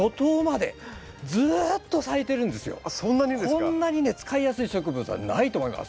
こんなにね使いやすい植物はないと思います。